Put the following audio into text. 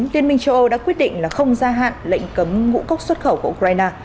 liên minh châu âu đã quyết định là không gia hạn lệnh cấm ngũ cốc xuất khẩu của ukraine